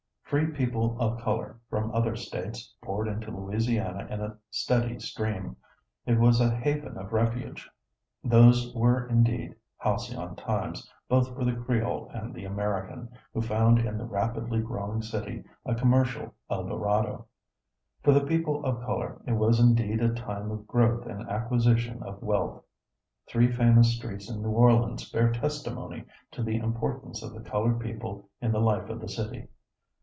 Free people of color from other states poured into Louisiana in a steady stream. It was a haven of refuge. Those were indeed halcyon times both for the Creole and the American, who found in the rapidly growing city a commercial El Dorado. For the people of color it was indeed a time of growth and acquisition of wealth. Three famous streets in New Orleans bear testimony to the importance of the colored people in the life of the city.